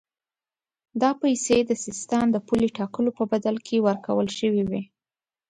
دا پیسې د سیستان د پولې ټاکلو په بدل کې ورکول شوې وې.